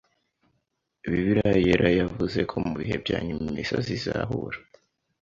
Bibiliya yera yavuze ko mu bihe bya nyuma imisozi izahura